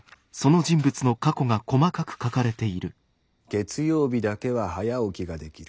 「月曜日だけは早起きが出来る。